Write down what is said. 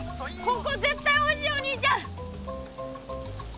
ここぜったいおいしいよお兄ちゃん！